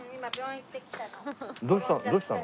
どうしたの？